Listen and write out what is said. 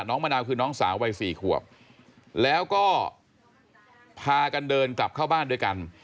มะนาวคือน้องสาววัยสี่ขวบแล้วก็พากันเดินกลับเข้าบ้านด้วยกัน